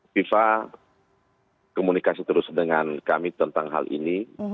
viva komunikasi terus dengan kami tentang hal ini